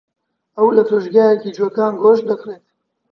ئەو لە فرۆشگەیەکی جووەکان گۆشت دەکڕێت.